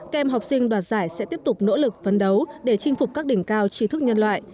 các em học sinh đoạt giải sẽ tiếp tục nỗ lực phấn đấu để chinh phục các đỉnh cao trí thức nhân loại